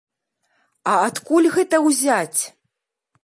А адкуль гэта ўзяць?